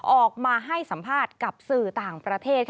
ออกมาให้สัมภาษณ์กับสื่อต่างประเทศ